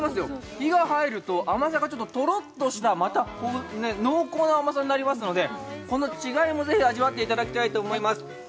火が入ると甘さがとろっとした濃厚な甘さになりますので、この違いもぜひ味わっていただきたいと思います。